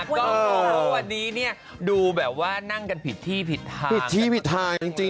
ก็วันนี้เนี่ยดูแบบว่านั่งกันผิดที่ผิดทางผิดที่ผิดทางจริง